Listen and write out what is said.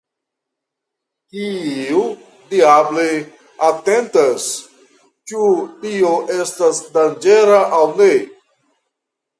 Kiu, diable, atentas, ĉu tio estas danĝera aŭ ne!